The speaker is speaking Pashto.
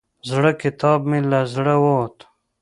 زړه کتاب مې له زړه ووت.